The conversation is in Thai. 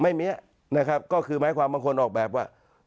ไม่มีนะครับก็คือหมายความบางคนออกแบบว่า